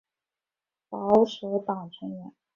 保守党成员。